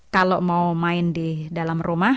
kalau mau main di dalam rumah